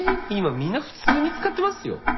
今みんな普通に使ってますよ。